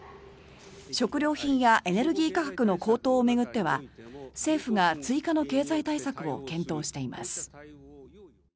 食料品やエネルギー価格の高騰を巡っては政府が追加の経済対策を検討しています。